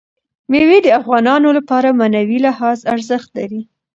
مېوې د افغانانو لپاره په معنوي لحاظ ارزښت لري.